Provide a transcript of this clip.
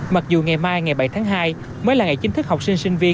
mặc dù ngày mai ngày bảy tháng hai mới là ngày chính thức học sinh sinh viên